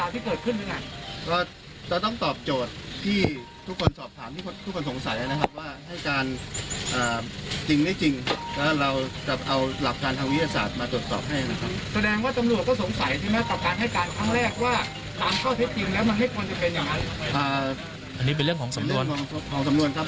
ถามข้อเท็จจริงแล้วมันให้ความติดเป็นอย่างนั้น